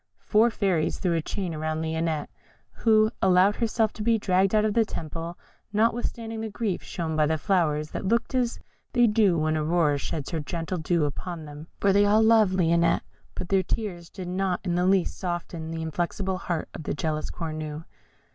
Four fairies threw a chain about Lionette, who allowed herself to be dragged out of the temple notwithstanding the grief shown by the flowers, that looked as they do when Aurora sheds her gentle dew upon them, for they all loved Lionette; but their tears did not in the least soften the inflexible heart of the jealous Cornue.